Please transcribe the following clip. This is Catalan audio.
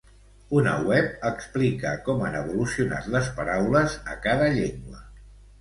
Una web explica com han evolucionat les paraules a cada llengua.